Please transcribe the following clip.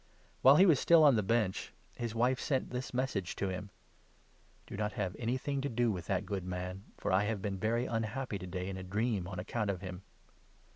While he was still on the Bench, his wife sent this message to him —" Do not have anything to do with that good man, for I have been very unhappy to day in a dream on account of him."